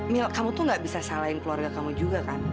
mil kamu tuh gak bisa salahin keluarga kamu juga kan